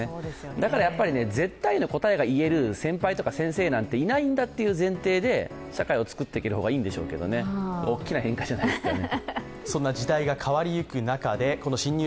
だから絶対の答えが言える先輩とか先生なんていないんだという前提で社会を作っていける方がいいんでしょうけどね、大きな変化じゃないですかね。